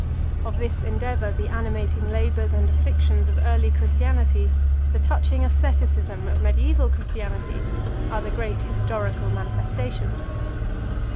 Of this endeavour, the animating labours and afflictions of early Christianity, the touching asceticism of mediaeval Christianity, are the great historical manifestations.